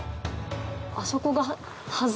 あそこが。